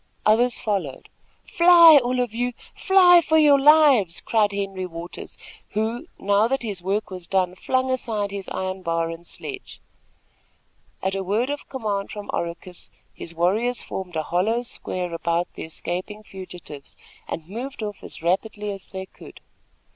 Others followed. "Fly! all of you! Fly for your lives!" cried Henry Waters, who, now that his work was done, flung aside his iron bar and sledge. At a word of command from Oracus his warriors formed a hollow square about the escaping fugitives, and moved off as rapidly as they could.